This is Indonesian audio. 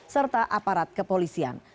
serta aparat kepolisian